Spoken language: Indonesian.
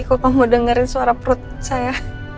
kalau kamu dengerin suara perut saya